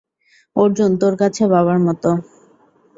অর্জুন তোর কাছে বাবার মতো।